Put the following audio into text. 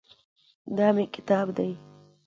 دا مېکتاب ده